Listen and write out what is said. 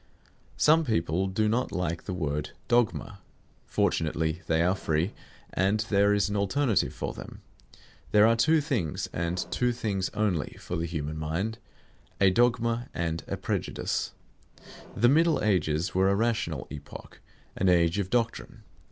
Some people do not like the word "dogma." Fortunately they are free, and there is an alternative for them. There are two things, and two things only, for the human mind, a dogma and a prejudice. The Middle Ages were a rational epoch, an age of doctrine.